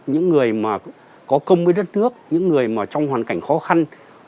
những người mà có công với đất nước những người mà trong hoàn cảnh khó khăn